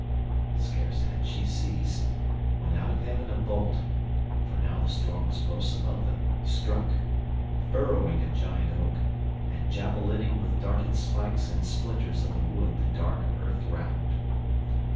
Scarce had she ceased, when out of heaven a bolt (For now the storm was close above them) struck, Furrowing a giant oak, and javelining With darted spikes and splinters of the wood The dark earth round.